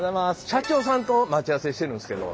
社長さんと待ち合わせしてるんですけど。